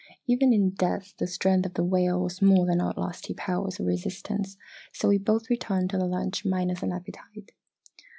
"Even in death the strength of the whale was more than our lusty powers of resistance so we both returned to that lunch minus an appetite.